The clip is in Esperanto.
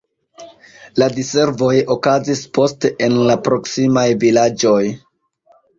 La diservoj okazis poste en la proksimaj vilaĝoj.